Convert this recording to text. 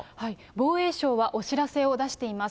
防衛省は、お知らせを出しています。